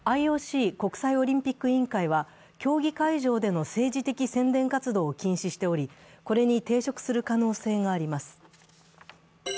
ＩＯＣ＝国際オリンピック委員会は、競技会場での政治的宣伝活動を禁止しておりこれに抵触する可能性があります。